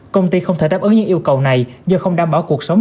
công ty không thể đáp ứng những yêu cầu này do không đảm bảo cuộc sống